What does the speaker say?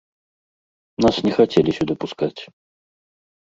Нас не хацелі сюды пускаць.